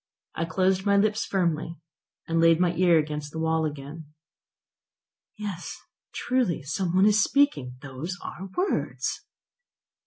I closed my lips firmly, and laid my ear against the wall again. "Yes, truly, some one is speaking; those are words!"